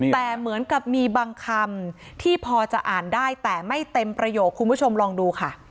แต่เหมือนกับมีบางคำที่พอจะอ่านได้แต่ไม่เต็มประโยคคุณผู้ชมลองดูค่ะ